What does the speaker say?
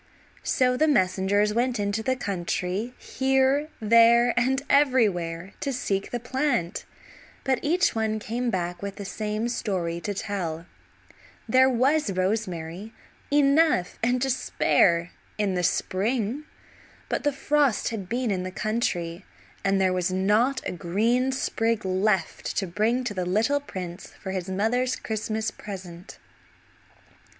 So messengers went into the country here, there, and everywhere to seek the plant, but each one came back with the same story to tell; there was rosemary, enough and to spare, in the spring, but the frost had been in the country and there was not a green sprig left to bring to the little prince for his mother's Christmas present.